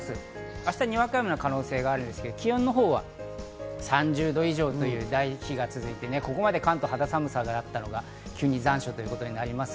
明日、にわか雨の可能性があるんですが、気温のほうは３０度以上の日が続いて、ここまで関東は肌寒さがあったのが急に残暑となります。